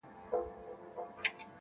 د خیال پر ښار مي لکه ستوری ځلېدلې-